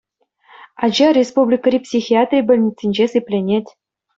Ача республикӑри психиатри больницинче сипленет.